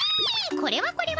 これはこれは！